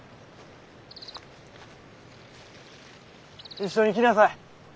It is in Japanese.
一緒に来なさい。